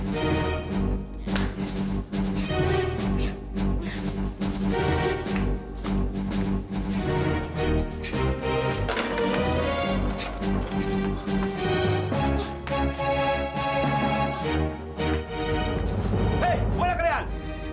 hei bola karyan